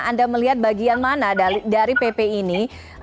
anda melihat bagian mana dari pp ini